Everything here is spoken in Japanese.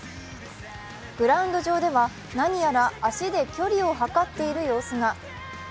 グラウンド上では何やら足で距離を測っている様子が。